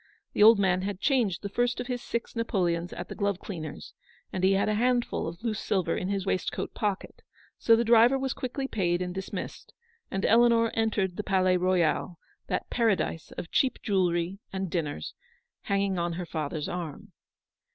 The old man had changed the first of his six napoleons at the glove cleaner's, and he had a handful of loose silver in his waistcoat pocket, so the driver was quickly paid and dis missed, and Eleanor entered the Palais Royal, that paradise of cheap jewellery and dinners, hanging on her father's arm.